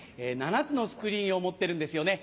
７つのスクリーンを持ってるんですよね。